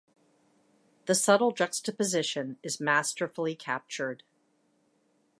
The subtle juxtaposition is masterfully captured.